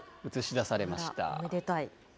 あら、おめでたい。